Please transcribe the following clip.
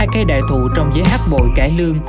hai cây đại thụ trong giấy hát bội cải lương